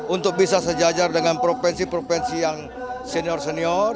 untuk bisa sejajar dengan provinsi provinsi yang senior senior